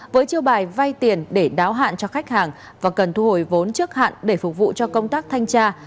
với chiêu bài vay tiền để đáo hạn cho khách hàng và cần thu hồi vốn trước hạn để phục vụ cho công tác thanh tra